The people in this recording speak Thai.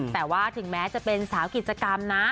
แต่ว่าถึงแม้จะเป็นสาวกิจกรรมนะ